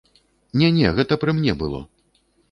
Не-не, гэта пры мне было.